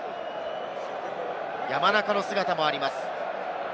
山中の姿もあります。